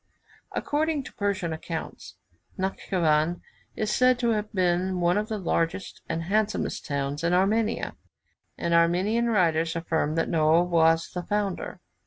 According to Persian accounts, Natschivan is said to have been one of the largest and handsomest towns of Armenia; and Armenian writers affirm that Noah was the founder.